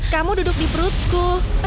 kamu duduk di perutku